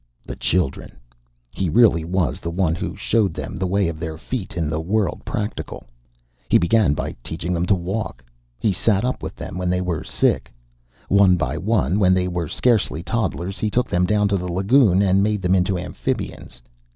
The children! He really was the one who showed them the way of their feet in the world practical. He began by teaching them to walk. He sat up with them when they were sick. One by one, when they were scarcely toddlers, he took them down to the lagoon, and made them into amphibians.